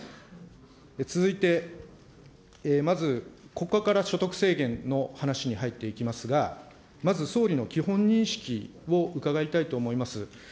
続いて、まず、ここから所得制限の話に入っていきますが、まず総理の基本認識を伺いたいと思います。